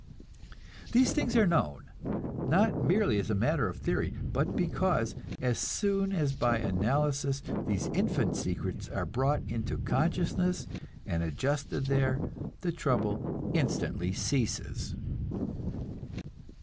These things are known, not merely as a matter of theory, but because, as soon as by analysis these infant secrets are brought into consciousness and adjusted there, the trouble instantly ceases.